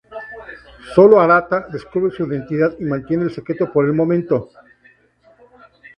Solo Arata descubre su identidad y mantiene el secreto por el momento.